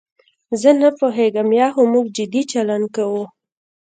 زه نه پوهېږم یا خو موږ جدي چلند کوو.